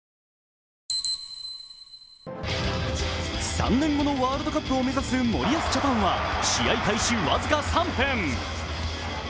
３年後のワールドカップを目指す森保ジャパンは試合開始僅か３分。